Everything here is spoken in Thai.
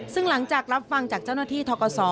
ซึ่งหลังจากรับฟังจากเจ้าหน้าที่ทกศ